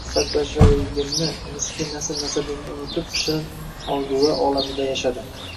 Badbasharaligimni, miskin nasl-nasabimni unutib, shirin orzular olamida yashadim